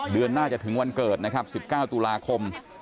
เดือนหน้าจะถึงวันเกิดนะครับ๑๙ตุลาคม